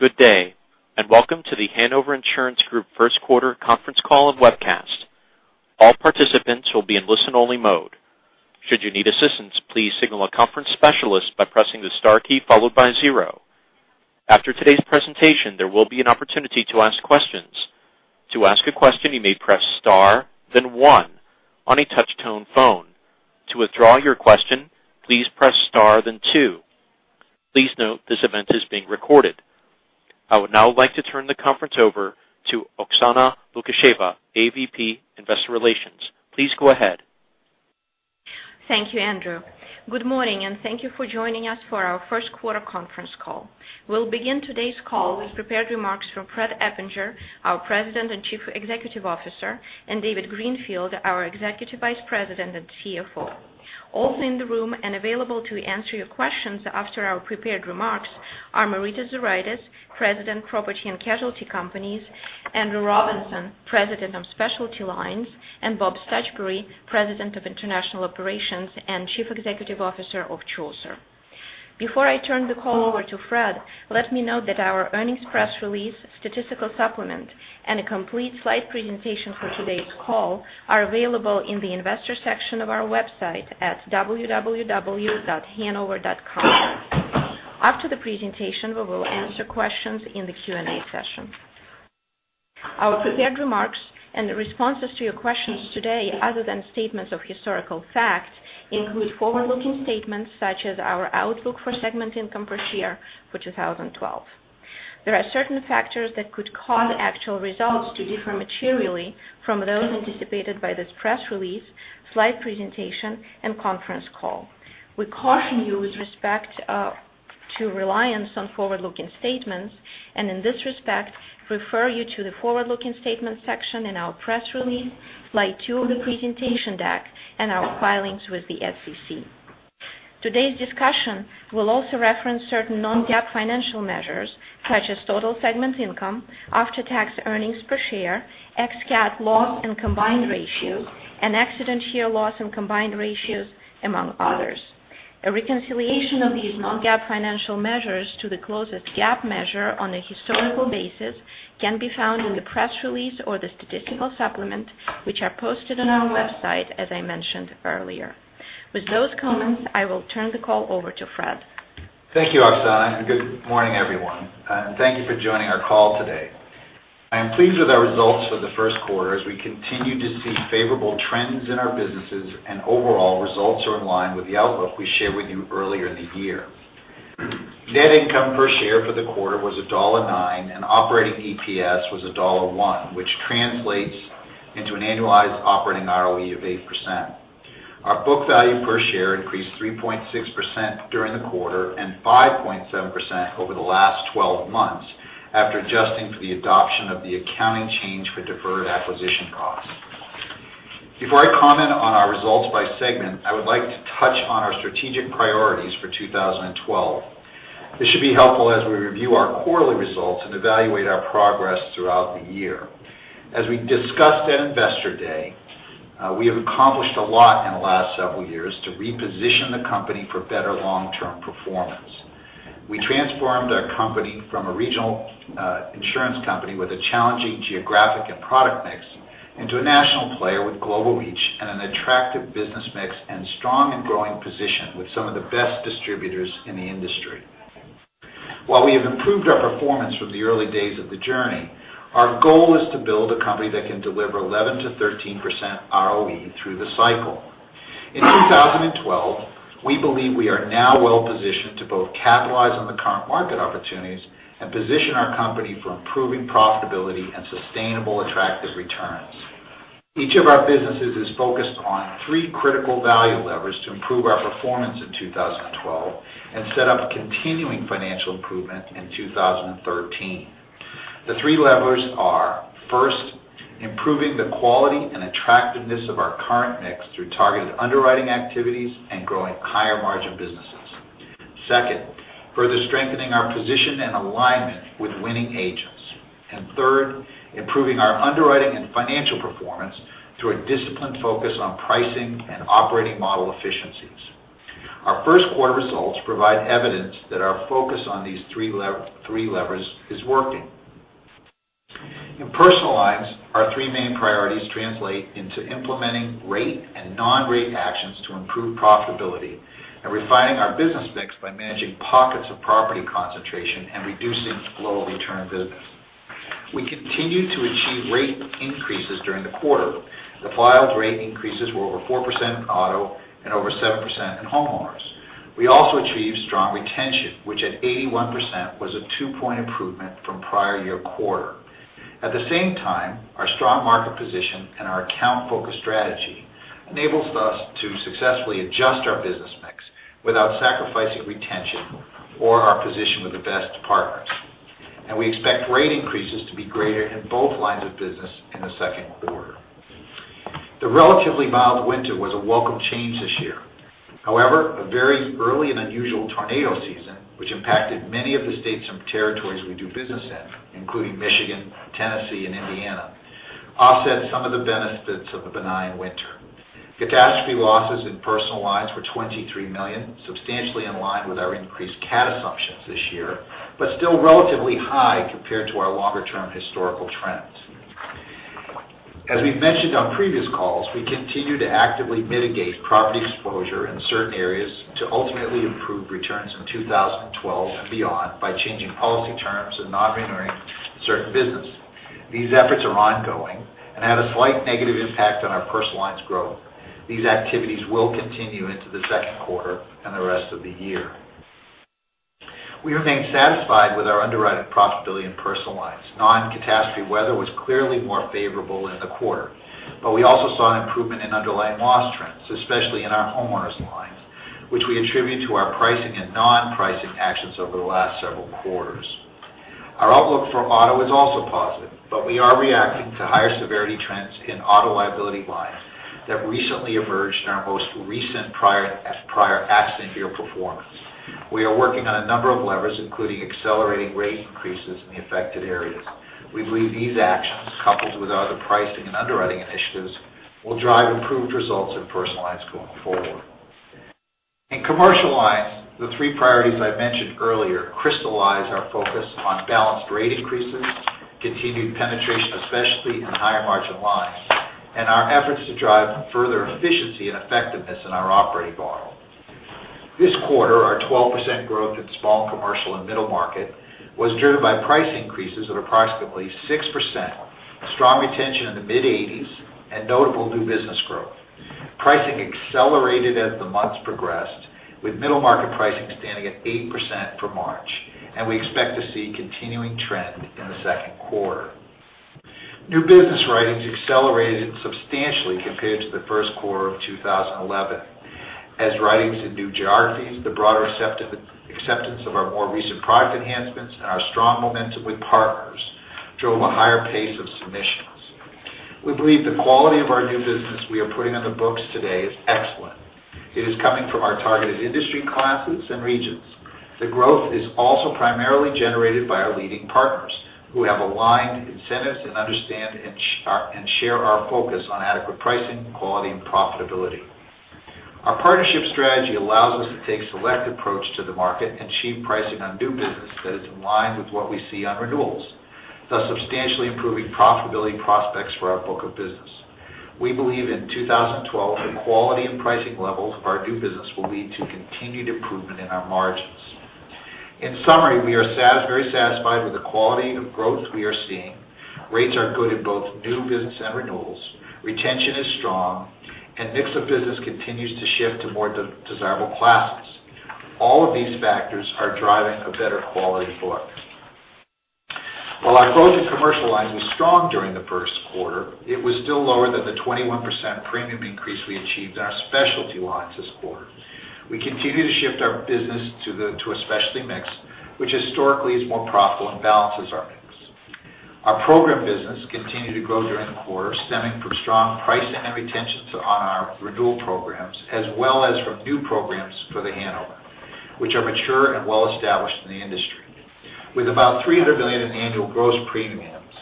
Good day. Welcome to The Hanover Insurance Group first quarter conference call and webcast. All participants will be in listen only mode. Should you need assistance, please signal a conference specialist by pressing the star key followed by zero. After today's presentation, there will be an opportunity to ask questions. To ask a question, you may press star then one on a touch-tone phone. To withdraw your question, please press star then two. Please note this event is being recorded. I would now like to turn the conference over to Oksana Lukasheva, AVP, Investor Relations. Please go ahead. Thank you, Andrew. Good morning. Thank you for joining us for our first quarter conference call. We'll begin today's call with prepared remarks from Fred Eppinger, our President and Chief Executive Officer, and David Greenfield, our Executive Vice President and CFO. Also in the room and available to answer your questions after our prepared remarks are Marita Zuraitis, President, Property and Casualty Companies, Andrew Robinson, President of Specialty Lines, and Bob Stuchbery, President of International Operations and Chief Executive Officer of Chaucer. Before I turn the call over to Fred, let me note that our earnings press release, statistical supplement, and a complete slide presentation for today's call are available in the investor section of our website at www.hanover.com. After the presentation, we will answer questions in the Q&A session. Our prepared remarks and the responses to your questions today, other than statements of historical fact, include forward-looking statements such as our outlook for segment income per share for 2012. There are certain factors that could cause actual results to differ materially from those anticipated by this press release, slide presentation and conference call. We caution you with respect to reliance on forward-looking statements, and in this respect refer you to the forward-looking statements section in our press release, slide two of the presentation deck, and our filings with the SEC. Today's discussion will also reference certain non-GAAP financial measures such as total segment income, after-tax earnings per share, ex-CAT loss and combined ratio, and accident year loss and combined ratios, among others. A reconciliation of these non-GAAP financial measures to the closest GAAP measure on a historical basis can be found in the press release or the statistical supplement, which are posted on our website, as I mentioned earlier. With those comments, I will turn the call over to Fred. Thank you, Oksana, and good morning, everyone. Thank you for joining our call today. I am pleased with our results for the first quarter as we continue to see favorable trends in our businesses and overall results are in line with the outlook we shared with you earlier in the year. Net income per share for the quarter was $1.09, and operating EPS was $1.01, which translates into an annualized operating ROE of 8%. Our book value per share increased 3.6% during the quarter and 5.7% over the last 12 months after adjusting for the adoption of the accounting change for deferred acquisition costs. Before I comment on our results by segment, I would like to touch on our strategic priorities for 2012. This should be helpful as we review our quarterly results and evaluate our progress throughout the year. As we discussed at Investor Day, we have accomplished a lot in the last several years to reposition the company for better long-term performance. We transformed our company from a regional insurance company with a challenging geographic and product mix into a national player with global reach and an attractive business mix and strong and growing position with some of the best distributors in the industry. While we have improved our performance from the early days of the journey, our goal is to build a company that can deliver 11%-13% ROE through the cycle. In 2012, we believe we are now well positioned to both capitalize on the current market opportunities and position our company for improving profitability and sustainable attractive returns. Each of our businesses is focused on three critical value levers to improve our performance in 2012 and set up continuing financial improvement in 2013. The three levers are, first, improving the quality and attractiveness of our current mix through targeted underwriting activities and growing higher margin businesses. Second, further strengthening our position and alignment with winning agents. Third, improving our underwriting and financial performance through a disciplined focus on pricing and operating model efficiencies. Our first quarter results provide evidence that our focus on these three levers is working. In personal lines, our three main priorities translate into implementing rate and non-rate actions to improve profitability and refining our business mix by managing pockets of property concentration and reducing low return business. We continued to achieve rate increases during the quarter. The filed rate increases were over 4% in auto and over 7% in homeowners. We also achieved strong retention, which at 81% was a two-point improvement from prior year quarter. At the same time, our strong market position and our account focus strategy enables us to successfully adjust our business mix without sacrificing retention or our position with the best partners. We expect rate increases to be greater in both lines of business in the second quarter. The relatively mild winter was a welcome change this year. However, a very early and unusual tornado season, which impacted many of the states and territories we do business in, including Michigan, Tennessee, and Indiana, offset some of the benefits of a benign winter. Catastrophe losses in personal lines were $23 million, substantially in line with our increased CAT assumptions this year, but still relatively high compared to our longer-term historical trends. As we've mentioned on previous calls, we continue to actively mitigate property exposure in certain areas to ultimately improve returns in 2012 and beyond by changing policy terms and non-renewing certain business. These efforts are ongoing and had a slight negative impact on our personal lines growth. These activities will continue into the second quarter and the rest of the year. We remain satisfied with our underwriting profitability in personal lines. Non-catastrophe weather was clearly more favorable in the quarter, but we also saw an improvement in underlying loss trends, especially in our homeowners lines, which we attribute to our pricing and non-pricing actions over the last several quarters. Our outlook for auto is also positive, but we are reacting to higher severity trends in auto liability lines that recently emerged in our most recent prior accident year performance. We are working on a number of levers, including accelerating rate increases in the affected areas. We believe these actions, coupled with other pricing and underwriting initiatives, will drive improved results in personal lines going forward. In commercial lines, the three priorities I mentioned earlier crystallize our focus on balanced rate increases, continued penetration, especially in higher margin lines, and our efforts to drive further efficiency and effectiveness in our operating model. This quarter, our 12% growth in small commercial and middle market was driven by price increases of approximately 6%, strong retention in the mid-80s, and notable new business growth. Pricing accelerated as the months progressed, with middle market pricing standing at 8% for March, and we expect to see continuing trend in the second quarter. As writings in new geographies, the broader acceptance of our more recent product enhancements, and our strong momentum with partners drove a higher pace of submissions. We believe the quality of our new business we are putting on the books today is excellent. It is coming from our targeted industry classes and regions. The growth is also primarily generated by our leading partners who have aligned incentives and understand and share our focus on adequate pricing, quality, and profitability. Our partnership strategy allows us to take a select approach to the market and achieve pricing on new business that is in line with what we see on renewals, thus substantially improving profitability prospects for our book of business. We believe in 2012, the quality and pricing levels of our new business will lead to continued improvement in our margins. In summary, we are very satisfied with the quality of growth we are seeing. Rates are good in both new business and renewals. Retention is strong, and mix of business continues to shift to more desirable classes. All of these factors are driving a better quality book. While our growth in commercial lines was strong during the first quarter, it was still lower than the 21% premium increase we achieved in our specialty lines this quarter. We continue to shift our business to a specialty mix, which historically is more profitable and balances our mix. Our program business continued to grow during the quarter, stemming from strong pricing and retention on our renewal programs, as well as from new programs for The Hanover, which are mature and well established in the industry. With about $300 million in annual gross premiums,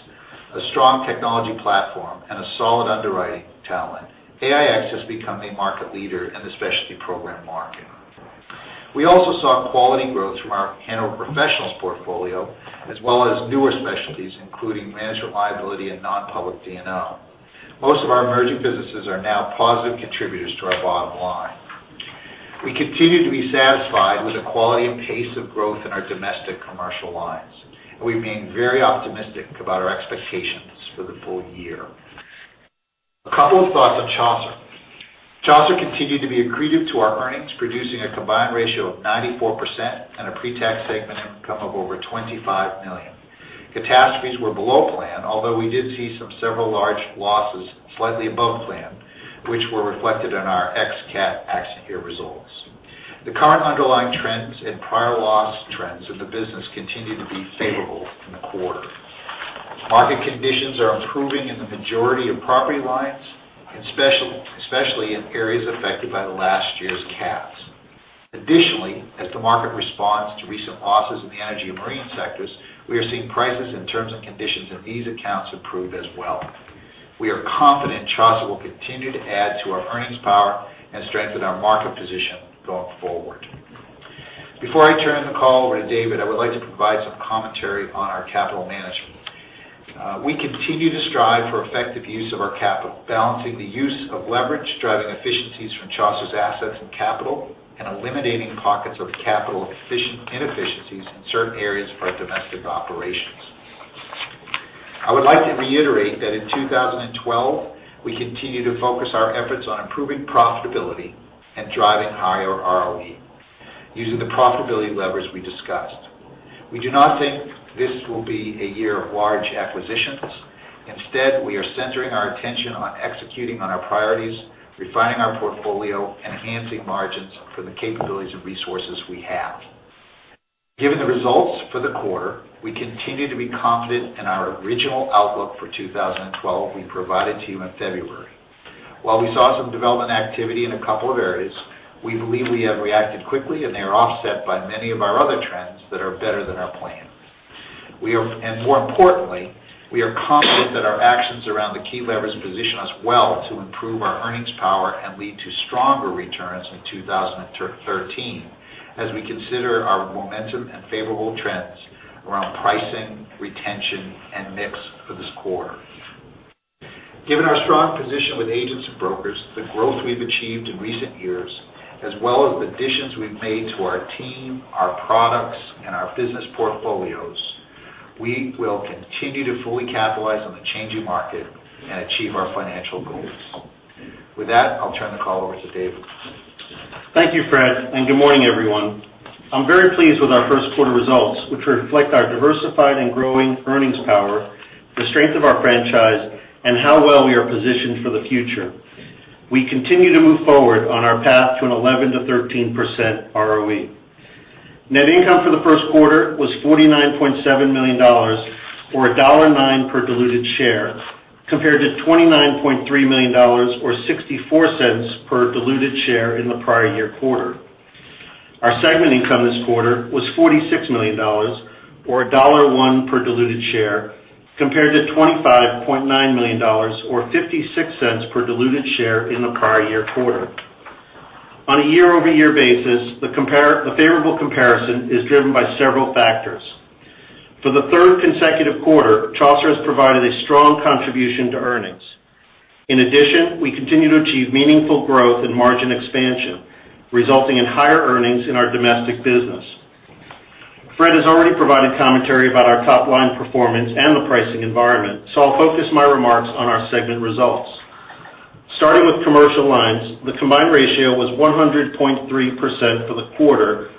a strong technology platform, and a solid underwriting talent, AIX has become a market leader in the specialty program market. We also saw quality growth from our Hanover Professional Portfolio, as well as newer specialties, including management liability and non-public D&O. Most of our emerging businesses are now positive contributors to our bottom line. We continue to be satisfied with the quality and pace of growth in our domestic commercial lines. We remain very optimistic about our expectations for the full year. A couple of thoughts on Chaucer. Chaucer continued to be accretive to our earnings, producing a combined ratio of 94% and a pre-tax segment income of over $25 million. Catastrophes were below plan, although we did see some several large losses slightly above plan, which were reflected in our ex CAT accident year results. The current underlying trends and prior loss trends of the business continued to be favorable in the quarter. Market conditions are improving in the majority of property lines, especially in areas affected by the last year's CATs. Additionally, as the market responds to recent losses in the energy and marine sectors, we are seeing prices and terms and conditions in these accounts improve as well. We are confident Chaucer will continue to add to our earnings power and strengthen our market position going forward. Before I turn the call over to David, I would like to provide some commentary on our capital management. We continue to strive for effective use of our capital, balancing the use of leverage, driving efficiencies from Chaucer's assets and capital. Eliminating pockets of capital inefficiencies in certain areas of our domestic operations. I would like to reiterate that in 2012, we continue to focus our efforts on improving profitability and driving higher ROE using the profitability levers we discussed. We do not think this will be a year of large acquisitions. We are centering our attention on executing on our priorities, refining our portfolio, and enhancing margins for the capabilities and resources we have. Given the results for the quarter, we continue to be confident in our original outlook for 2012 we provided to you in February. While we saw some development activity in a couple of areas, we believe we have reacted quickly. They are offset by many of our other trends that are better than our plan. More importantly, we are confident that our actions around the key levers position us well to improve our earnings power and lead to stronger returns in 2013, as we consider our momentum and favorable trends around pricing, retention, and mix for this quarter. Given our strong position with agents and brokers, the growth we've achieved in recent years, as well as additions we've made to our team, our products, and our business portfolios, we will continue to fully capitalize on the changing market and achieve our financial goals. With that, I'll turn the call over to Dave. Thank you, Fred, good morning, everyone. I'm very pleased with our first quarter results, which reflect our diversified and growing earnings power, the strength of our franchise, and how well we are positioned for the future. We continue to move forward on our path to an 11%-13% ROE. Net income for the first quarter was $49.7 million, or $1.09 per diluted share, compared to $29.3 million or $0.64 per diluted share in the prior year quarter. Our segment income this quarter was $46 million, or $1.01 per diluted share, compared to $25.9 million or $0.56 per diluted share in the prior year quarter. On a year-over-year basis, the favorable comparison is driven by several factors. For the third consecutive quarter, Chaucer has provided a strong contribution to earnings. In addition, we continue to achieve meaningful growth and margin expansion, resulting in higher earnings in our domestic business. Fred has already provided commentary about our top-line performance and the pricing environment, I'll focus my remarks on our segment results. Starting with commercial lines, the combined ratio was 100.3% for the quarter,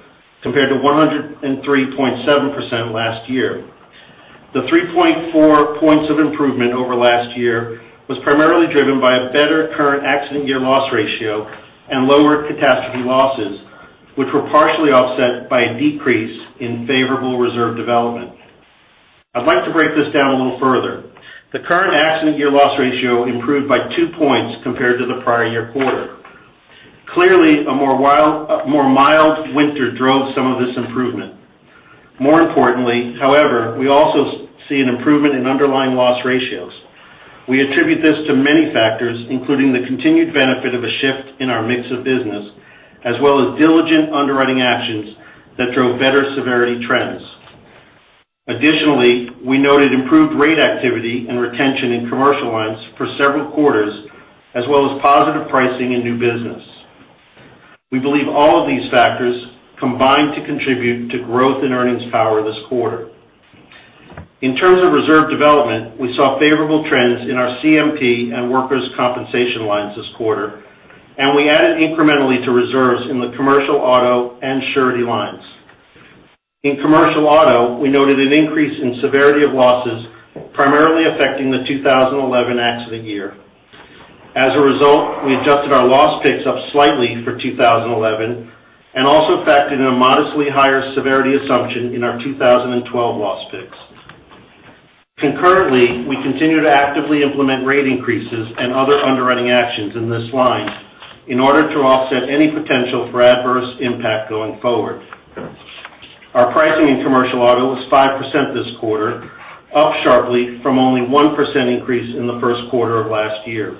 compared to 103.7% last year. The 3.4 points of improvement over last year was primarily driven by a better current accident year loss ratio and lower catastrophe losses, which were partially offset by a decrease in favorable reserve development. I'd like to break this down a little further. The current accident year loss ratio improved by two points compared to the prior year quarter. Clearly, a more mild winter drove some of this improvement. More importantly, however, we also see an improvement in underlying loss ratios. We attribute this to many factors, including the continued benefit of a shift in our mix of business, as well as diligent underwriting actions that drove better severity trends. Additionally, we noted improved rate activity and retention in commercial lines for several quarters, as well as positive pricing in new business. We believe all of these factors combined to contribute to growth in earnings power this quarter. In terms of reserve development, we saw favorable trends in our CMP and workers' compensation lines this quarter, and we added incrementally to reserves in the commercial auto and surety lines. In commercial auto, we noted an increase in severity of losses, primarily affecting the 2011 accident year. As a result, we adjusted our loss picks up slightly for 2011 and also factored in a modestly higher severity assumption in our 2012 loss picks. Concurrently, we continue to actively implement rate increases and other underwriting actions in this line in order to offset any potential for adverse impact going forward. Our pricing in commercial auto was 5% this quarter, up sharply from only 1% increase in the first quarter of last year.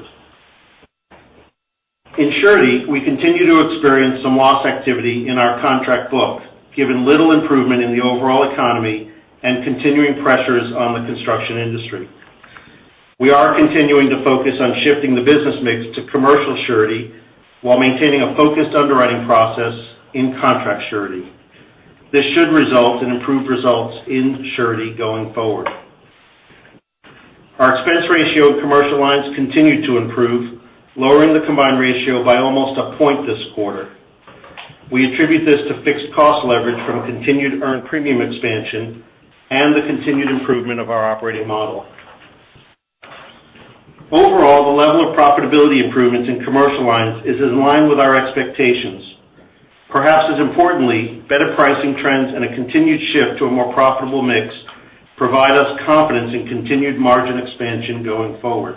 In surety, we continue to experience some loss activity in our contract book, given little improvement in the overall economy and continuing pressures on the construction industry. We are continuing to focus on shifting the business mix to commercial surety while maintaining a focused underwriting process in contract surety. This should result in improved results in surety going forward. Our expense ratio in commercial lines continued to improve, lowering the combined ratio by almost a point this quarter. We attribute this to fixed cost leverage from continued earned premium expansion and the continued improvement of our operating model. Overall, the level of profitability improvements in commercial lines is in line with our expectations. Perhaps as importantly, better pricing trends and a continued shift to a more profitable mix provide us confidence in continued margin expansion going forward.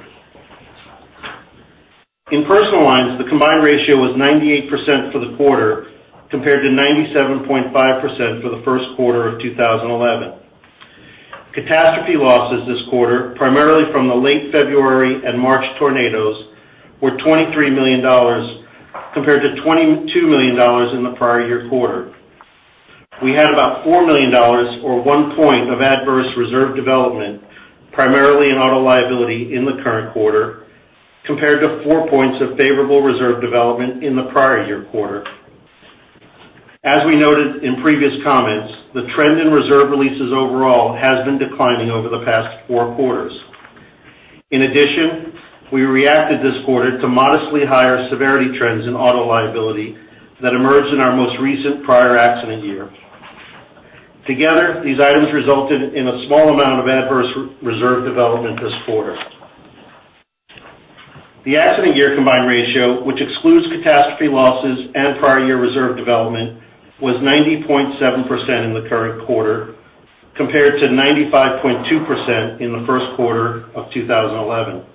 In personal lines, the combined ratio was 98% for the quarter, compared to 97.5% for the first quarter of 2011. Catastrophe losses this quarter, primarily from the late February and March tornadoes, were $23 million compared to $22 million in the prior year quarter. We had about $4 million or one point of adverse reserve development, primarily in auto liability in the current quarter, compared to four points of favorable reserve development in the prior year quarter. As we noted in previous comments, the trend in reserve releases overall has been declining over the past four quarters. We reacted this quarter to modestly higher severity trends in auto liability that emerged in our most recent prior accident year. Together, these items resulted in a small amount of adverse reserve development this quarter. The accident year combined ratio, which excludes catastrophe losses and prior year reserve development, was 90.7% in the current quarter, compared to 95.2% in the first quarter of 2011.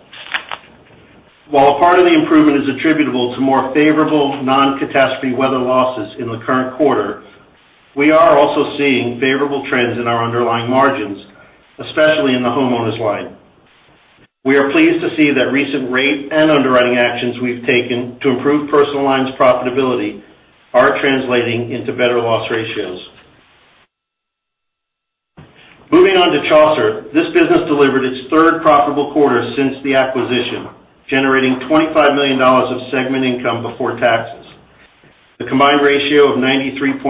While part of the improvement is attributable to more favorable non-catastrophe weather losses in the current quarter, we are also seeing favorable trends in our underlying margins, especially in the homeowners line. We are pleased to see that recent rate and underwriting actions we've taken to improve personal lines profitability are translating into better loss ratios. Moving on to Chaucer. This business delivered its third profitable quarter since the acquisition, generating $25 million of segment income before taxes. The combined ratio of 93.8%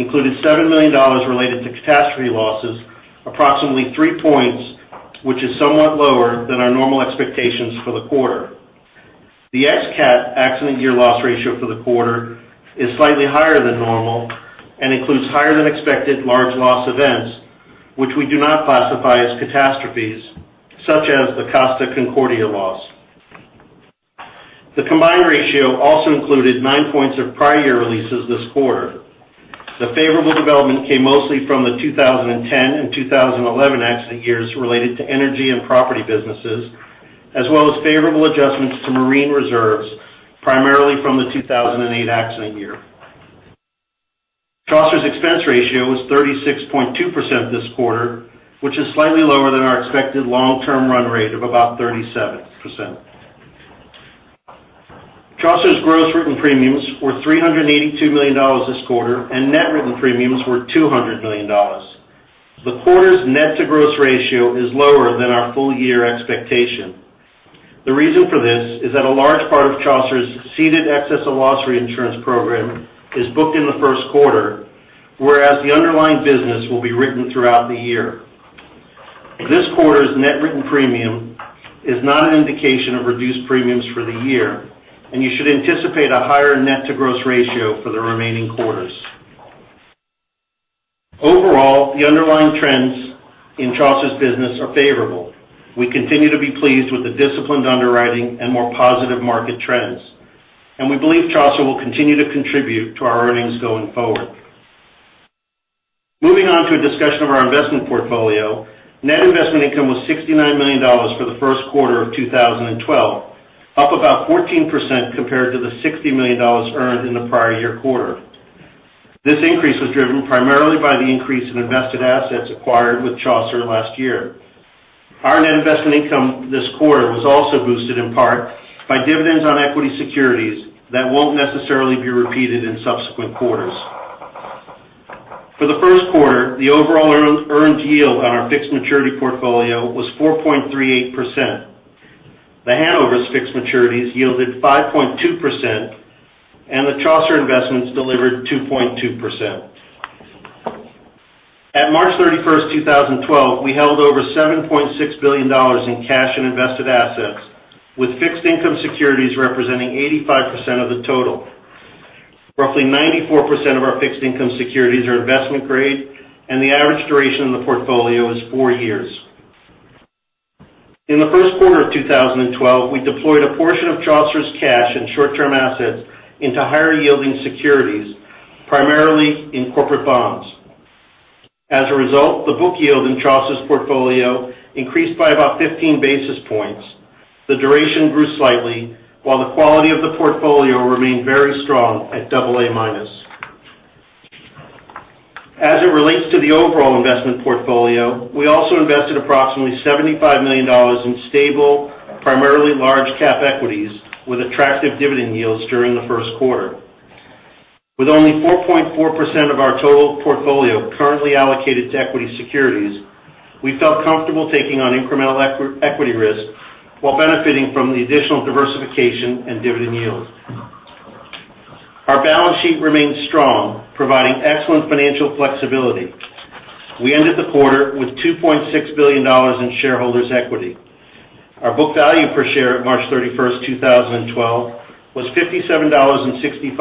included $7 million related to catastrophe losses, approximately three points, which is somewhat lower than our normal expectations for the quarter. The ex-cat accident year loss ratio for the quarter is slightly higher than normal and includes higher than expected large loss events, which we do not classify as catastrophes, such as the Costa Concordia loss. The combined ratio also included nine points of prior year releases this quarter. The favorable development came mostly from the 2010 and 2011 accident years related to energy and property businesses, as well as favorable adjustments to marine reserves, primarily from the 2008 accident year. Chaucer's expense ratio was 36.2% this quarter, which is slightly lower than our expected long-term run rate of about 37%. Chaucer's gross written premiums were $382 million this quarter, and net written premiums were $200 million. The quarter's net to gross ratio is lower than our full year expectation. The reason for this is that a large part of Chaucer's ceded excess and loss reinsurance program is booked in the first quarter, whereas the underlying business will be written throughout the year. This quarter's net written premium is not an indication of reduced premiums for the year, and you should anticipate a higher net to gross ratio for the remaining quarters. The underlying trends in Chaucer's business are favorable. We continue to be pleased with the disciplined underwriting and more positive market trends, and we believe Chaucer will continue to contribute to our earnings going forward. Moving on to a discussion of our investment portfolio. Net investment income was $69 million for the first quarter of 2012, up about 14% compared to the $60 million earned in the prior year quarter. This increase was driven primarily by the increase in invested assets acquired with Chaucer last year. Our net investment income this quarter was also boosted in part by dividends on equity securities that won't necessarily be repeated in subsequent quarters. For the first quarter, the overall earned yield on our fixed maturity portfolio was 4.38%. The Hanover's fixed maturities yielded 5.2%, and the Chaucer investments delivered 2.2%. At March 31st, 2012, we held over $7.6 billion in cash and invested assets with fixed income securities representing 85% of the total. Roughly 94% of our fixed income securities are investment grade, and the average duration in the portfolio is four years. In the first quarter of 2012, we deployed a portion of Chaucer's cash and short-term assets into higher yielding securities, primarily in corporate bonds. As a result, the book yield in Chaucer's portfolio increased by about 15 basis points. The duration grew slightly, while the quality of the portfolio remained very strong at double A minus. As it relates to the overall investment portfolio, we also invested approximately $75 million in stable, primarily large cap equities with attractive dividend yields during the first quarter. With only 4.4% of our total portfolio currently allocated to equity securities, we felt comfortable taking on incremental equity risk while benefiting from the additional diversification and dividend yield. Our balance sheet remains strong, providing excellent financial flexibility. We ended the quarter with $2.6 billion in shareholders' equity. Our book value per share at March 31st, 2012, was $57.65,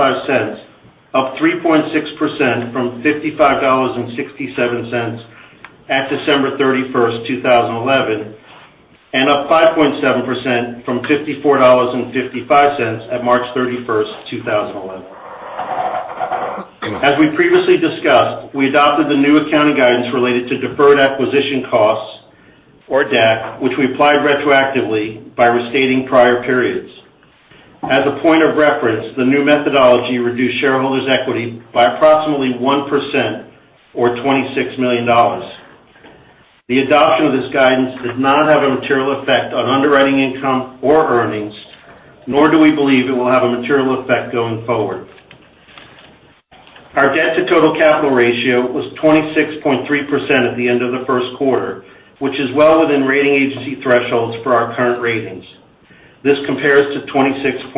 up 3.6% from $55.67 at December 31st, 2011, and up 5.7% from $54.55 at March 31st, 2011. As we previously discussed, we adopted the new accounting guidance related to deferred acquisition costs or DAC, which we applied retroactively by restating prior periods. As a point of reference, the new methodology reduced shareholders' equity by approximately 1% or $26 million. The adoption of this guidance did not have a material effect on underwriting income or earnings, nor do we believe it will have a material effect going forward. Our debt to total capital ratio was 26.3% at the end of the first quarter, which is well within rating agency thresholds for our current ratings. This compares to 26.8%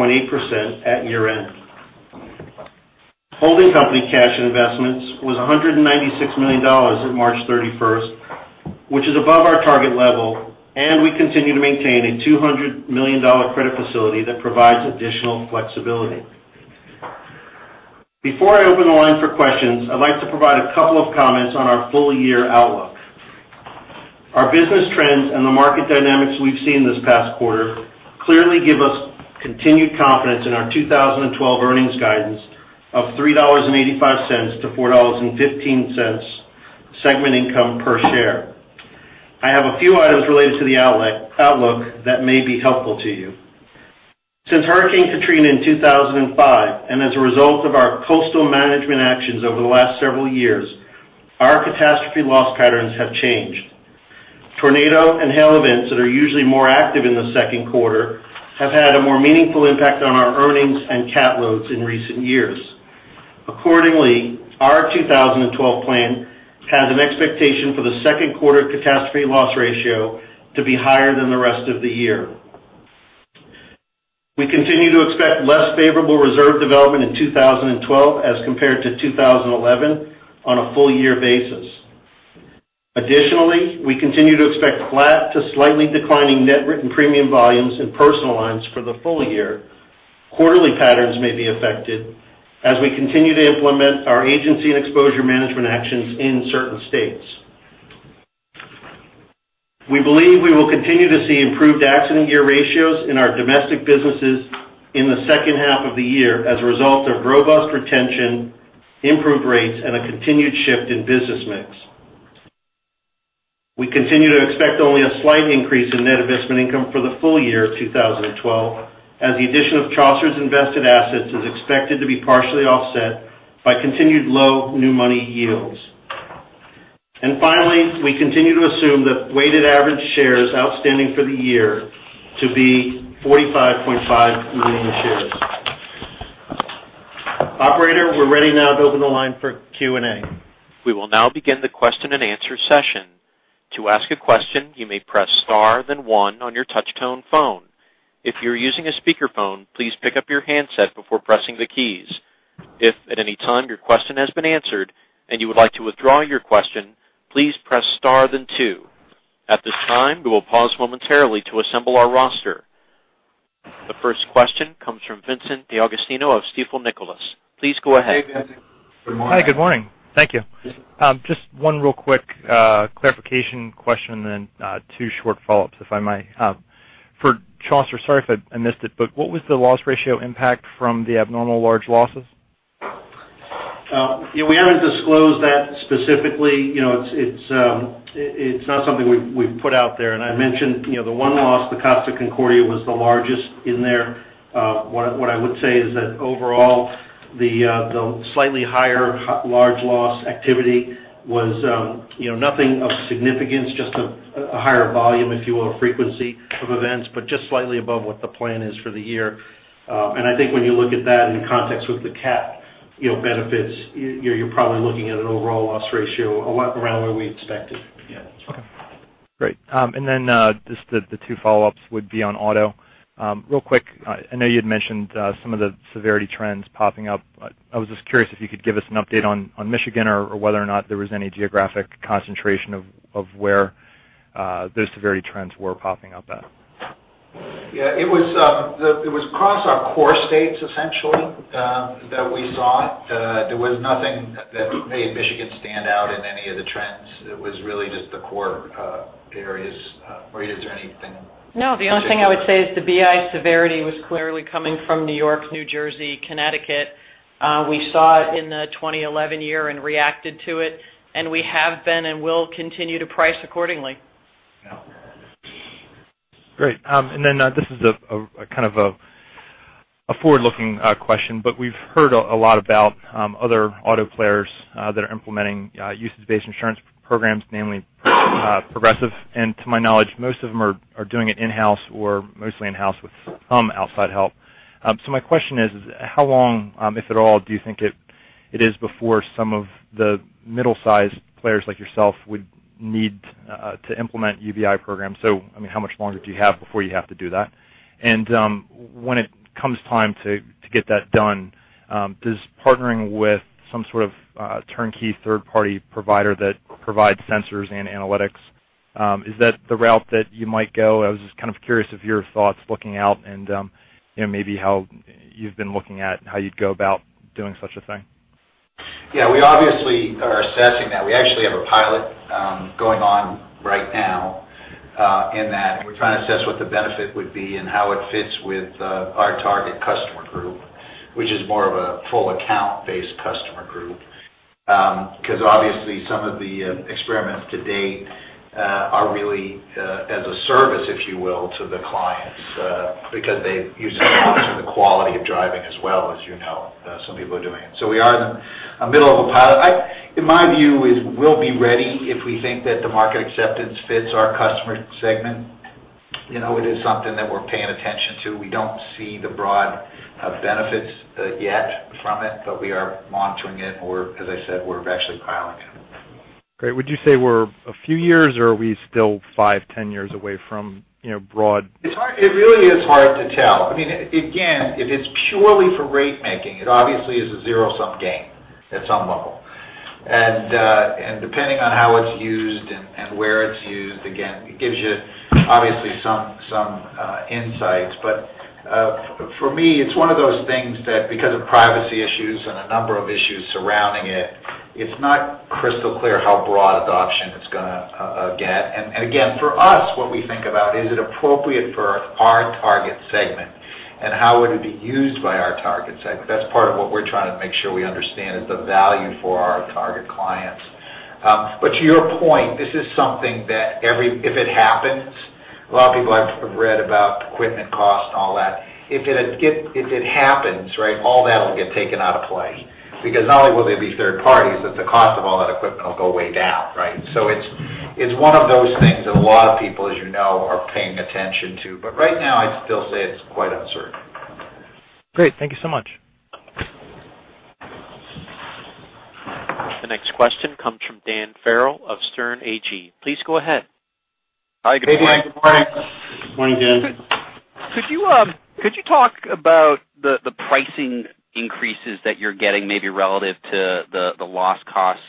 at year-end. Holding company cash and investments was $196 million at March 31st, which is above our target level, and we continue to maintain a $200 million credit facility that provides additional flexibility. Before I open the line for questions, I'd like to provide a couple of comments on our full year outlook. Our business trends and the market dynamics we've seen this past quarter clearly give us continued confidence in our 2012 earnings guidance of $3.85 to $4.15 Segment income per share. I have a few items related to the outlook that may be helpful to you. Since Hurricane Katrina in 2005, and as a result of our coastal management actions over the last several years, our catastrophe loss patterns have changed. Tornado and hail events that are usually more active in the second quarter have had a more meaningful impact on our earnings and cat loads in recent years. Accordingly, our 2012 plan has an expectation for the second quarter catastrophe loss ratio to be higher than the rest of the year. We continue to expect less favorable reserve development in 2012 as compared to 2011 on a full year basis. Additionally, we continue to expect flat to slightly declining net written premium volumes in personal lines for the full year. Quarterly patterns may be affected as we continue to implement our agency and exposure management actions in certain states. We believe we will continue to see improved accident year ratios in our domestic businesses in the second half of the year as a result of robust retention, improved rates, and a continued shift in business mix. We continue to expect only a slight increase in net investment income for the full year 2012, as the addition of Chaucer's invested assets is expected to be partially offset by continued low new money yields. Finally, we continue to assume that weighted average shares outstanding for the year to be 45.5 million shares. Operator, we're ready now to open the line for Q&A. We will now begin the question and answer session. To ask a question, you may press star then one on your touch tone phone. If you're using a speakerphone, please pick up your handset before pressing the keys. If at any time your question has been answered and you would like to withdraw your question, please press star then two. At this time, we will pause momentarily to assemble our roster. The first question comes from Vincent D'Agostino of Stifel Nicolaus. Please go ahead. Hey, Vincent. Good morning. Hi, good morning. Thank you. Just one real quick clarification question, then two short follow-ups, if I may. For Chaucer, sorry if I missed it, but what was the loss ratio impact from the abnormal large losses? Yeah, we haven't disclosed that specifically. It's not something we've put out there. I mentioned the one loss, the Costa Concordia, was the largest in there. What I would say is that overall, the slightly higher large loss activity was nothing of significance, just a higher volume, if you will, frequency of events, but just slightly above what the plan is for the year. I think when you look at that in context with the CAT benefits, you're probably looking at an overall loss ratio around where we expected. Yeah. Okay. Great. Then just the two follow-ups would be on auto. Real quick, I know you had mentioned some of the severity trends popping up. I was just curious if you could give us an update on Michigan or whether or not there was any geographic concentration of where those severity trends were popping up at. Yeah. It was across our core states, essentially, that we saw it. There was nothing that made Michigan stand out in any of the trends. It was really just the core areas. Marie, is there anything- No, the only thing I would say is the BI severity was clearly coming from New York, New Jersey, Connecticut. We saw it in the 2011 year and reacted to it, we have been and will continue to price accordingly. Yeah. Great. This is a forward-looking question, we've heard a lot about other auto players that are implementing usage-based insurance programs, namely Progressive. To my knowledge, most of them are doing it in-house or mostly in-house with some outside help. My question is, how long, if at all, do you think it is before some of the middle-sized players like yourself would need to implement UBI programs? How much longer do you have before you have to do that? When it comes time to get that done, does partnering with some sort of turnkey third-party provider that provides sensors and analytics, is that the route that you might go? I was just kind of curious of your thoughts looking out and maybe how you've been looking at how you'd go about doing such a thing. We obviously are assessing that. We actually have a pilot going on right now in that we're trying to assess what the benefit would be and how it fits with our target customer group, which is more of a full account-based customer group, because obviously some of the experiments to date are really as a service, if you will, to the clients because they use it to monitor the quality of driving as well, as you know, some people are doing it. We are in the middle of a pilot. In my view, we'll be ready if we think that the market acceptance fits our customer segment. It is something that we're paying attention to. We don't see the broad benefits yet from it, but we are monitoring it or, as I said, we're actually piloting it. Great. Would you say we're a few years or are we still 5, 10 years away from broad- It really is hard to tell. Again, if it's purely for rate making, it obviously is a zero-sum game at some level. Depending on how it's used and where it's used, again, it gives you obviously some insights. For me, it's one of those things that because of privacy issues and a number of issues surrounding it's not crystal clear how broad adoption is going to be Again, for us, what we think about, is it appropriate for our target segment, and how would it be used by our target segment? That's part of what we're trying to make sure we understand is the value for our target clients. To your point, this is something that if it happens, a lot of people have read about equipment costs and all that. If it happens, right, all that'll get taken out of play, because not only will there be third parties, but the cost of all that equipment will go way down, right? It's one of those things that a lot of people, as you know, are paying attention to. Right now, I'd still say it's quite uncertain. Great. Thank you so much. The next question comes from Dan Farrell of Sterne Agee. Please go ahead. Hi, good morning. Hey, Dan. Good morning. Good morning, Dan. Could you talk about the pricing increases that you're getting maybe relative to the loss cost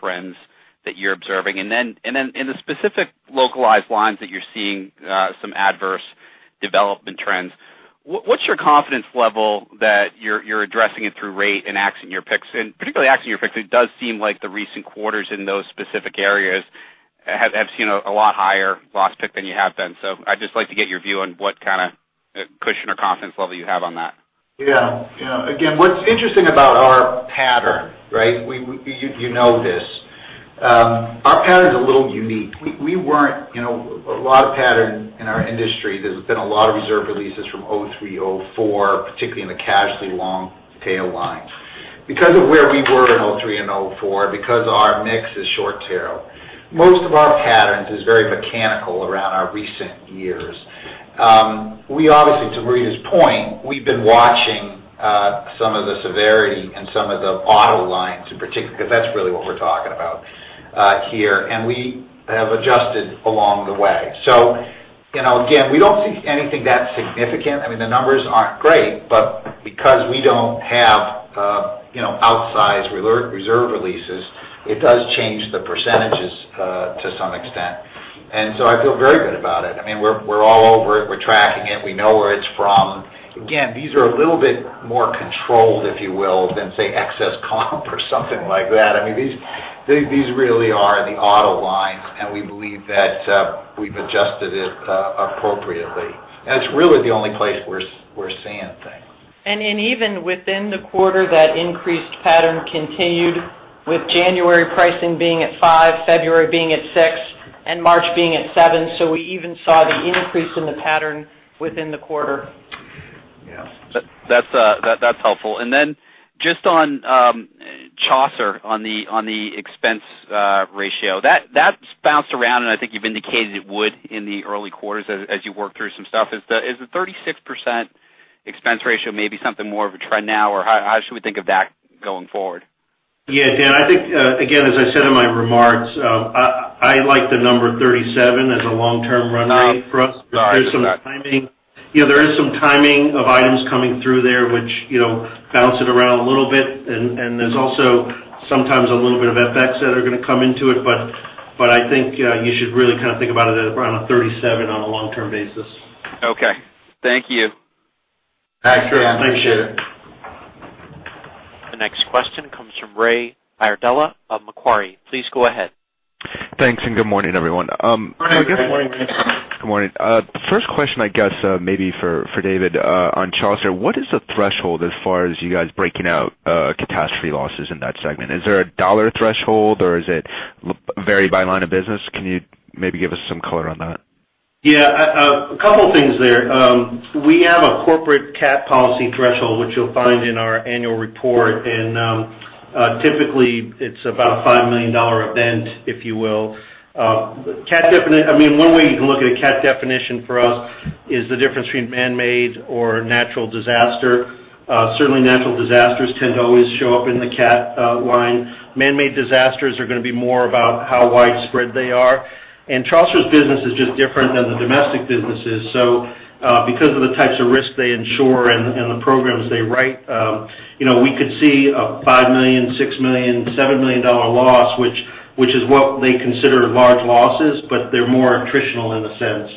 trends that you're observing? Then in the specific localized lines that you're seeing some adverse development trends, what's your confidence level that you're addressing it through rate and axing your picks? Particularly axing your picks, it does seem like the recent quarters in those specific areas have seen a lot higher loss pick than you have then. I'd just like to get your view on what kind of cushion or confidence level you have on that. Again, what's interesting about our pattern, right, you know this. Our pattern's a little unique. A lot of pattern in our industry, there's been a lot of reserve releases from 2003, 2004, particularly in the casualty long tail line. Because of where we were in 2003 and 2004, because our mix is short tail, most of our patterns is very mechanical around our recent years. We obviously, to Marita's point, we've been watching some of the severity in some of the auto lines in particular, because that's really what we're talking about here, and we have adjusted along the way. Again, we don't see anything that significant. I mean, the numbers aren't great, but because we don't have outsized reserve releases, it does change the percentages to some extent. I feel very good about it. I mean, we're all over it. We're tracking it. We know where it's from. Again, these are a little bit more controlled, if you will, than say, excess comp or something like that. I mean, these really are the auto lines, and we believe that we've adjusted it appropriately. It's really the only place we're seeing things. Even within the quarter, that increased pattern continued with January pricing being at five, February being at six, and March being at seven. We even saw the increase in the pattern within the quarter. Yeah. That's helpful. Just on Chaucer, on the expense ratio. That's bounced around, and I think you've indicated it would in the early quarters as you work through some stuff. Is the 36% expense ratio maybe something more of a trend now, or how should we think of that going forward? Dan, I think, again, as I said in my remarks, I like the number 37 as a long-term run rate for us. I understand. There's some timing. Yeah, there is some timing of items coming through there, which bounce it around a little bit, and there's also sometimes a little bit of FX that are going to come into it, but I think you should really kind of think about it at around a 37 on a long-term basis. Okay. Thank you. Thanks, Dan. Appreciate it. The next question comes from Raymond Iardella of Macquarie. Please go ahead. Thanks, good morning, everyone. Morning, Ray. Good morning, Ray. Good morning. The first question, I guess, maybe for David, on Chaucer. What is the threshold as far as you guys breaking out catastrophe losses in that segment? Is there a dollar threshold, or is it varied by line of business? Can you maybe give us some color on that? Yeah. A couple things there. We have a corporate CAT policy threshold, which you'll find in our annual report, typically it's about a $5 million event, if you will. One way you can look at a CAT definition for us is the difference between man-made or natural disaster. Certainly, natural disasters tend to always show up in the CAT line. Man-made disasters are going to be more about how widespread they are. Chaucer's business is just different than the domestic businesses. Because of the types of risks they insure and the programs they write, we could see a $5 million, $6 million, $7 million loss, which is what they consider large losses, but they're more attritional in a sense.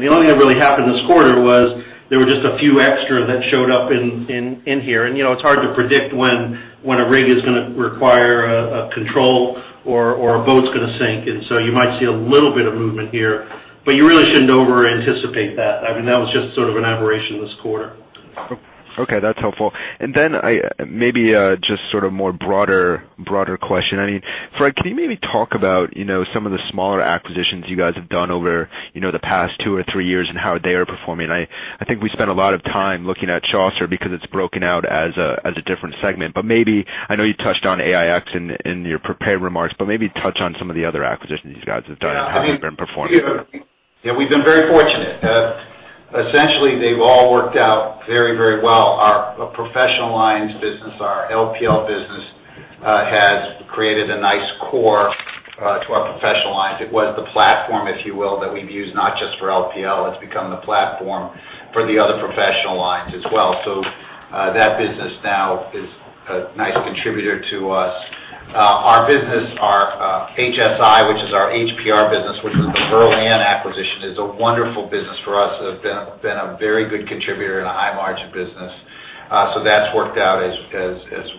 The only thing that really happened this quarter was there were just a few extra that showed up in here. It's hard to predict when a rig is going to require a control or a boat's going to sink, you might see a little bit of movement here. You really shouldn't over-anticipate that. I mean, that was just sort of an aberration this quarter. Okay. That's helpful. Then maybe just sort of more broader question. I mean, Fred, can you maybe talk about some of the smaller acquisitions you guys have done over the past two or three years and how they are performing? I think we spent a lot of time looking at Chaucer because it's broken out as a different segment. Maybe, I know you touched on AIX in your prepared remarks, but maybe touch on some of the other acquisitions you guys have done and how they've been performing. Yeah. We've been very fortunate. Essentially, they've all worked out very, very well. Our professional lines business, our LPL business, has created a nice core to our professional lines. It was the platform, if you will, that we've used not just for LPL. It's become the platform for the other professional lines as well. That business now is a nice contributor to us. Our business, our HSI, which is our HPR, a wonderful business for us. It has been a very good contributor and a high margin business. That's worked out as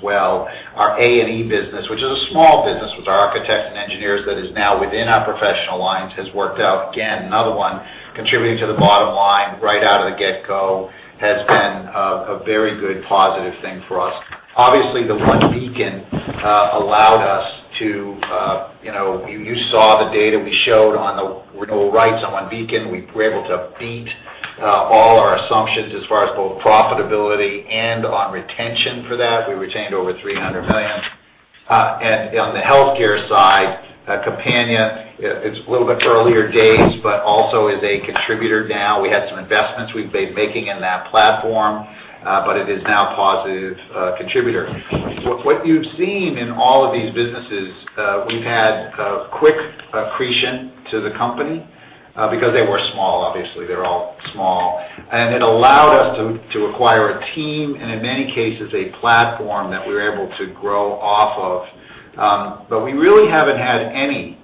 well. Our A&E business, which is a small business with our architects and engineers that is now within our professional lines, has worked out. Again, another one contributing to the bottom line right out of the get-go, has been a very good positive thing for us. The OneBeacon, you saw the data we showed on the renewal rates on OneBeacon. We were able to beat all our assumptions as far as both profitability and on retention for that. We retained over $300 million. On the healthcare side, Compania is a little bit earlier days, also is a contributor now. We had some investments we've been making in that platform, it is now a positive contributor. What you've seen in all of these businesses, we've had quick accretion to the company because they were small. They're all small. It allowed us to acquire a team and in many cases, a platform that we were able to grow off of. We really haven't had any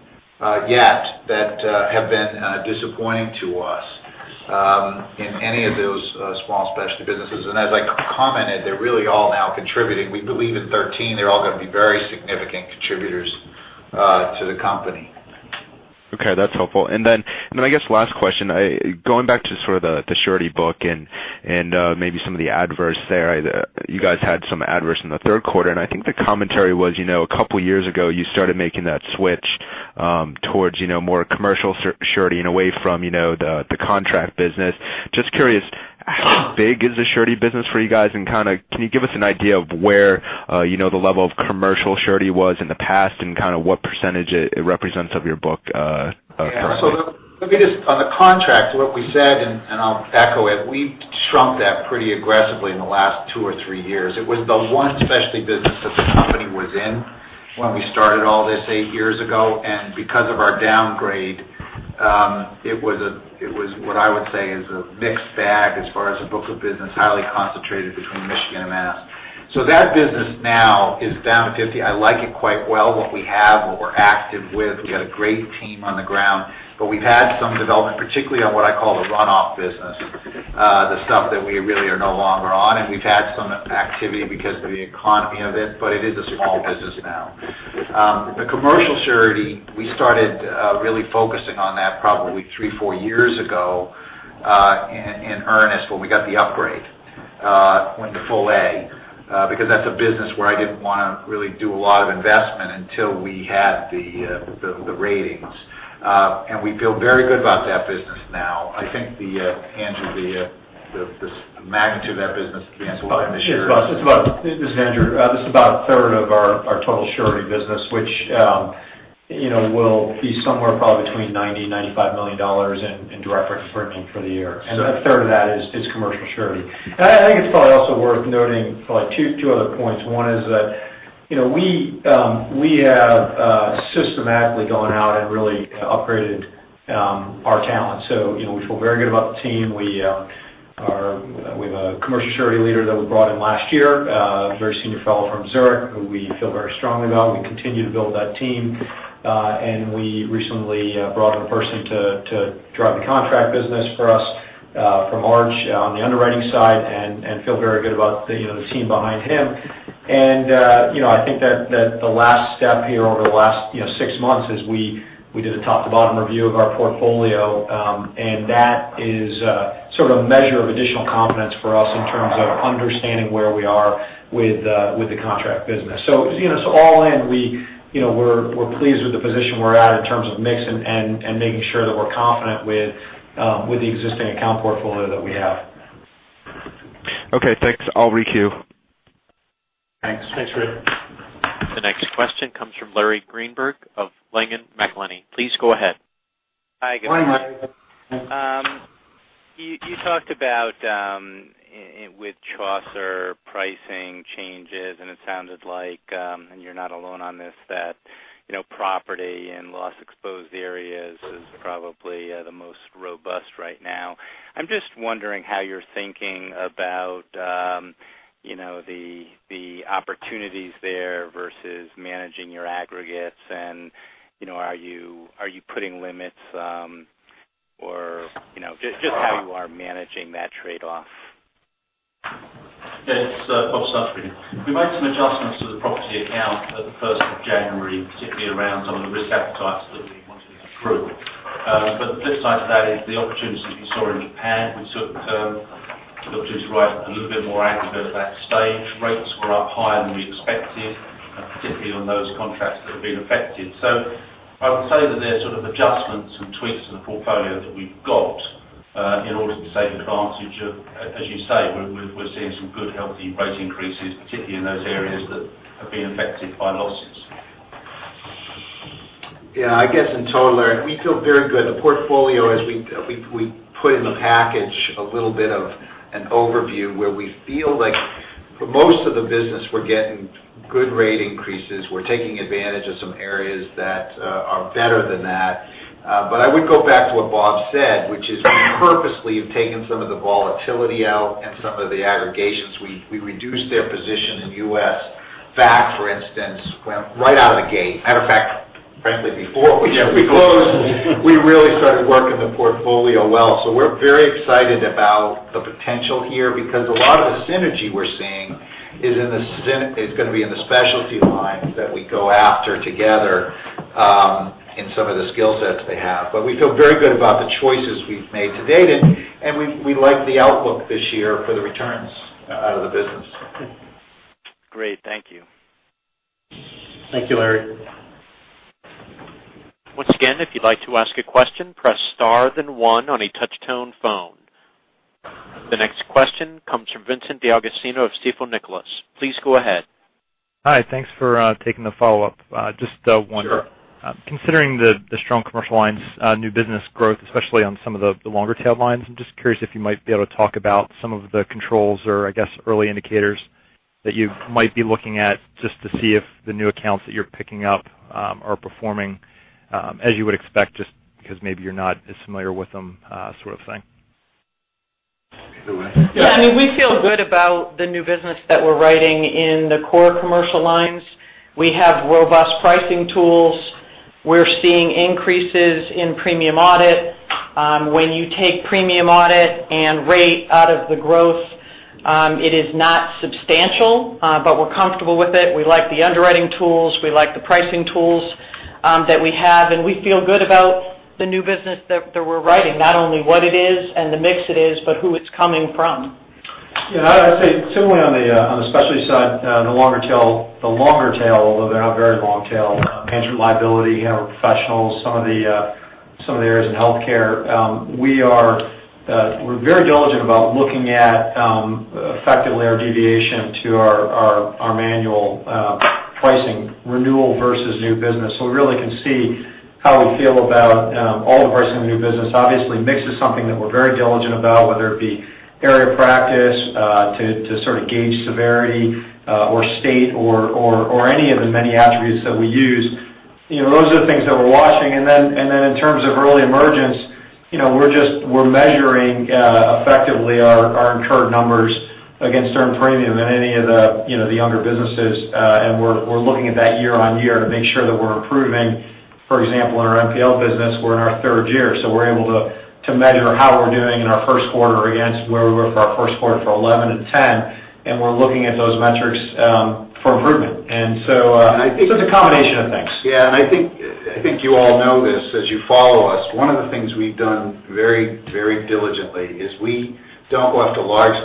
yet that have been disappointing to us in any of those small specialty businesses. As I commented, they're really all now contributing. We believe in 2013, they're all going to be very significant contributors to the company. Okay, that's helpful. Then, I guess last question, going back to sort of the surety book and maybe some of the adverse there. You guys had some adverse in the third quarter, I think the commentary was a couple of years ago, you started making that switch towards more commercial surety and away from the contract business. Just curious, how big is the surety business for you guys? Can you give us an idea of where the level of commercial surety was in the past and what percentage it represents of your book currently? Let me just on the contract, what we said, I'll echo it, we shrunk that pretty aggressively in the last two or three years. It was the one specialty business that the company was in when we started all this eight years ago. Because of our downgrade, it was what I would say is a mixed bag as far as the book of business, highly concentrated between Michigan and Mass. That business now is down 50%. I like it quite well, what we have, what we're active with. We got a great team on the ground, we've had some development, particularly on what I call the runoff business, the stuff that we really are no longer on, we've had some activity because of the economy of it is a small business now. The commercial surety, we started really focusing on that probably three, four years ago in earnest when we got the upgrade, went to full A, because that's a business where I didn't want to really do a lot of investment until we had the ratings. We feel very good about that business now. I think, Andrew, the magnitude of that business. Yes, this is Andrew. This is about a third of our total surety business, which will be somewhere probably between $90 million, $95 million in direct written premium for the year. A third of that is commercial surety. I think it's probably also worth noting probably two other points. One is that we have systematically gone out and really upgraded our talent. We feel very good about the team. We have a commercial surety leader that we brought in last year, a very senior fellow from Zurich who we feel very strongly about. We continue to build that team. We recently brought in a person to drive the contract business for us from Arch on the underwriting side and feel very good about the team behind him. I think that the last step here over the last six months is we did a top to bottom review of our portfolio, and that is sort of a measure of additional confidence for us in terms of understanding where we are with the contract business. All in, we're pleased with the position we're at in terms of mix and making sure that we're confident with the existing account portfolio that we have. Okay, thanks. I'll requeue. Thanks. Thanks, Ray. The next question comes from Larry Greenberg of Ladenburg Thalmann. Please go ahead. Hi again. You talked about, with Chaucer pricing changes, and it sounded like, and you're not alone on this, that property in loss exposed areas is probably the most robust right now. I'm just wondering how you're thinking about the opportunities there versus managing your aggregates and, are you putting limits? Or just how you are managing that trade-off. Yes. Bob Stuchbery. We made some adjustments to the property account at the 1st of January, particularly around some of the risk appetites that we wanted to improve. The flip side of that is the opportunities we saw in Japan. We took the opportunity to write a little bit more aggregate at that stage. Rates were up higher than we expected, particularly on those contracts that have been affected. I would say that there's sort of adjustments and tweaks to the portfolio that we've got in order to take advantage of, as you say, we're seeing some good, healthy rate increases, particularly in those areas that have been affected by losses. Yeah, I guess in total, Larry, we feel very good. The portfolio, as we put in the package, a little bit of an overview where we feel like for most of the business, we're getting good rate increases. We're taking advantage of some areas that are better than that. I would go back to what Bob said, which is we purposely have taken some of the volatility out and some of the aggregations. We reduced their position in U.S. CAT, for instance, right out of the gate. Matter of fact, frankly, before we closed, we really started working the portfolio well. We're very excited about the potential here because a lot of the synergy we're seeing is going to be in the specialty lines that we go after together in some of the skill sets they have. We feel very good about the choices we've made to date, and we like the outlook this year for the returns out of the business. Great. Thank you. Thank you, Larry. Once again, if you'd like to ask a question, press star then one on a touch-tone phone. The next question comes from Vincent D'Agostino of Stifel Nicolaus. Please go ahead. Hi. Thanks for taking the follow-up. Sure. Considering the strong commercial lines new business growth, especially on some of the longer tail lines, I'm just curious if you might be able to talk about some of the controls or, I guess, early indicators that you might be looking at just to see if the new accounts that you're picking up are performing as you would expect, just because maybe you're not as familiar with them sort of thing. Either way. Yeah. I mean, we feel good about the new business that we're writing in the core commercial lines. We have robust pricing tools. We're seeing increases in premium audit. When you take premium audit and rate out of the growth, it is not substantial, but we're comfortable with it. We like the underwriting tools. We like the pricing tools that we have, and we feel good about the new business that we're writing. Not only what it is and the mix it is, but who it's coming from. Yeah, I'd say similarly on the specialty side, the longer tail, although they're not very long tail, management liability, professionals, some of the areas in healthcare. We're very diligent about looking at effectively our deviation to our manual pricing renewal versus new business. We really can see how we feel about all the pricing in the new business. Obviously, mix is something that we're very diligent about, whether it be area of practice to sort of gauge severity or state or any of the many attributes that we use. Those are the things that we're watching. In terms of early emergence, we're measuring effectively our incurred numbers against earned premium in any of the younger businesses. We're looking at that year-over-year to make sure that we're improving. For example, in our NPL business, we're in our third year. We're able to measure how we're doing in our first quarter against where we were for our first quarter for 2011 and 2010. We're looking at those metrics for improvement. It's a combination of things. Yeah. I think you all know this as you follow us. One of the things we've done very diligently is we don't want the large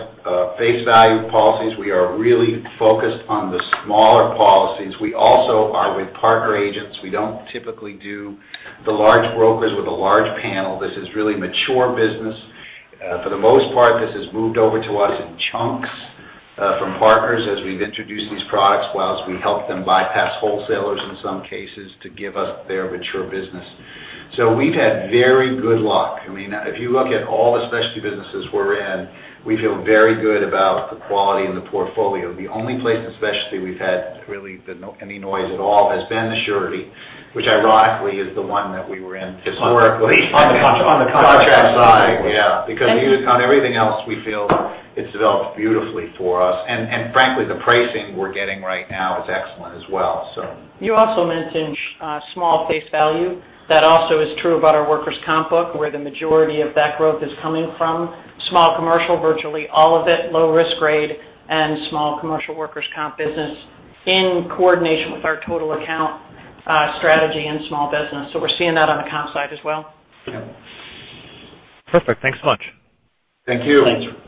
face value policies. We are really focused on the smaller policies. We also are with partner agents. We don't typically do the large brokers with a large panel. This is really mature business. For the most part, this has moved over to us in chunks from partners as we've introduced these products, whilst we help them bypass wholesalers in some cases to give us their mature business. We've had very good luck. I mean, if you look at all the specialty businesses we're in, we feel very good about the quality and the portfolio. The only place in specialty we've had really any noise at all has been the surety, which ironically is the one that we were in historically. On the contract side. Yeah. On everything else, we feel it's developed beautifully for us. Frankly, the pricing we're getting right now is excellent as well. You also mentioned small face value. That also is true about our workers' comp book, where the majority of that growth is coming from small commercial, virtually all of it low risk grade and small commercial workers' comp business in coordination with our total account strategy and small business. We're seeing that on the comp side as well. Yeah. Perfect. Thanks so much. Thank you. Thanks.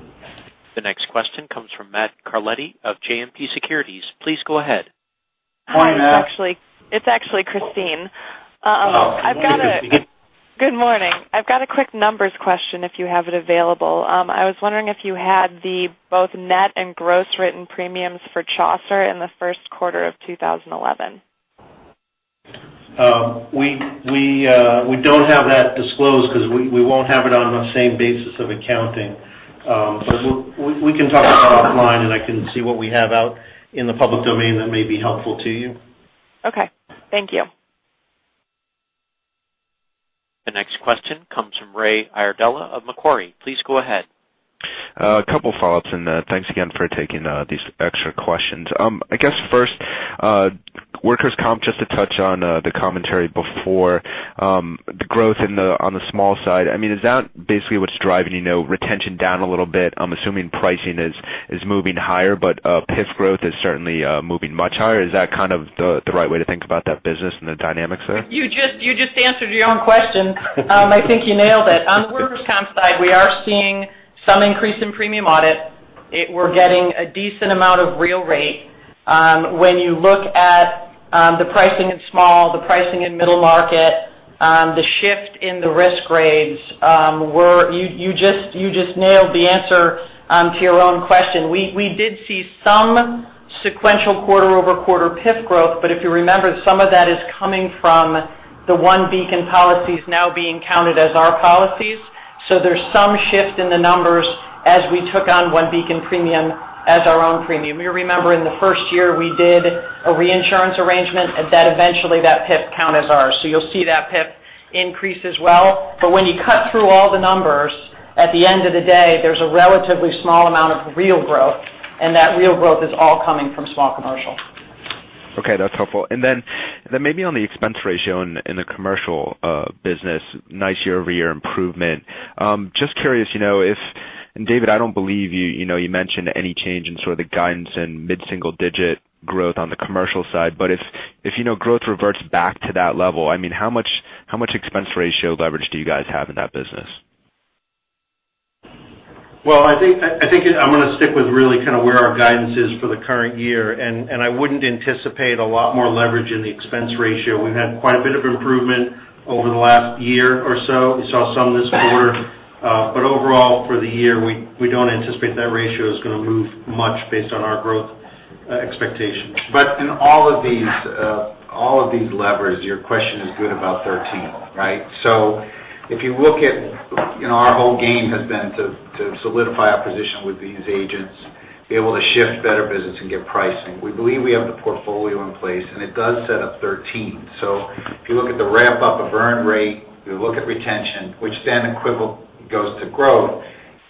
The next question comes from Matthew Carletti of JMP Securities. Please go ahead. Hi, Matt. It's actually Christine. Oh. Good morning. I've got a quick numbers question if you have it available. I was wondering if you had both net and gross written premiums for Chaucer in the first quarter of 2011. We don't have that disclosed because we won't have it on the same basis of accounting. We can talk about it offline, and I can see what we have out in the public domain that may be helpful to you. Okay. Thank you. The next question comes from Raymond Iardella of Macquarie. Please go ahead. A couple follow-ups. Thanks again for taking these extra questions. I guess first, workers' comp, just to touch on the commentary before, the growth on the small side, I mean, is that basically what's driving retention down a little bit? I'm assuming pricing is moving higher. PIF growth is certainly moving much higher. Is that kind of the right way to think about that business and the dynamics there? You just answered your own question. I think you nailed it. On the workers' comp side, we are seeing some increase in premium audit. We're getting a decent amount of real rate. When you look at the pricing in small, the pricing in middle market, the shift in the risk grades, you just nailed the answer to your own question. We did see some sequential quarter-over-quarter PIF growth. If you remember, some of that is coming from the OneBeacon policies now being counted as our policies. There's some shift in the numbers as we took on OneBeacon premium as our own premium. You remember in the first year we did a reinsurance arrangement. That eventually that PIF count as ours. You'll see that increase as well. When you cut through all the numbers, at the end of the day, there's a relatively small amount of real growth. That real growth is all coming from small commercial. Okay, that's helpful. Then maybe on the expense ratio in the commercial business, nice year-over-year improvement. Just curious, David, I don't believe you mentioned any change in sort of the guidance in mid-single-digit growth on the commercial side. If growth reverts back to that level, how much expense ratio leverage do you guys have in that business? I think I'm going to stick with really kind of where our guidance is for the current year. I wouldn't anticipate a lot more leverage in the expense ratio. We've had quite a bit of improvement over the last year or so. You saw some this quarter. Overall, for the year, we don't anticipate that ratio is going to move much based on our growth expectations. In all of these levers, your question is good about 2013, right? If you look at our whole game has been to solidify our position with these agents, be able to shift better business and get pricing. We believe we have the portfolio in place, it does set up 2013. If you look at the ramp up of earn rate, if you look at retention, which equivalent goes to growth,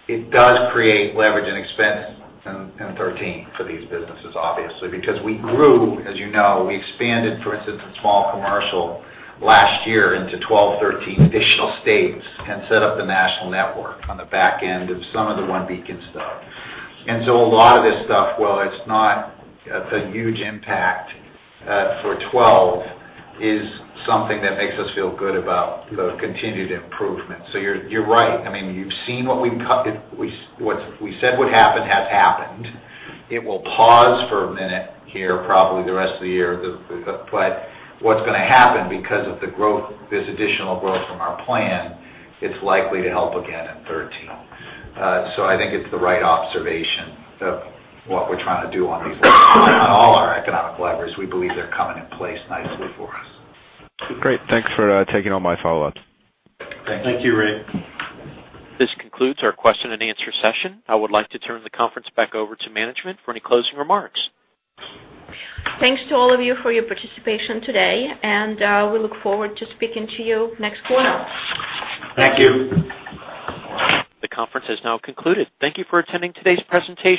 it does create leverage and expense in 2013 for these businesses, obviously. We grew, as you know, we expanded, for instance, in Small Commercial last year into 12, 13 additional states and set up the national network on the back end of some of the OneBeacon Insurance Group stuff. A lot of this stuff, while it's not a huge impact for 2012, is something that makes us feel good about the continued improvement. You're right. You've seen what we said would happen has happened. It will pause for a minute here, probably the rest of the year. What's going to happen because of this additional growth from our plan, it's likely to help again in 2013. I think it's the right observation of what we're trying to do on these, on all our economic levers. We believe they're coming in place nicely for us. Great. Thanks for taking all my follow-ups. Thank you, Ray. This concludes our question and answer session. I would like to turn the conference back over to management for any closing remarks. Thanks to all of you for your participation today, and we look forward to speaking to you next quarter. Thank you. The conference has now concluded. Thank you for attending today's presentation.